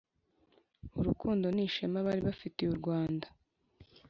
Urukundo n ishema bari bafitiye u rwanda